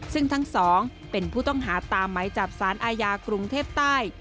ซึ่งทั้งสองเป็นผู้ต้องหาตามไหมจับสารอาญากรุงเทพใต้